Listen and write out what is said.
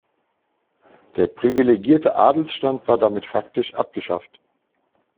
Der privilegierte Adelsstand war damit faktisch abgeschafft.